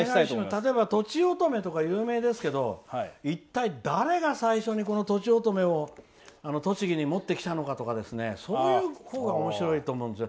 例えばとちおとめとか有名ですけど一体誰が最初に、とちおとめを栃木に持ってきたのかとかそういうほうがおもしろいと思うんです。